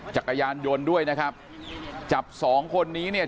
จักรยานยนต์ด้วยนะครับจับสองคนนี้เนี่ย